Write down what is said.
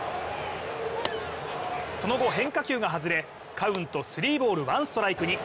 その後変化球が外れカウント３ボール・１ストライクに。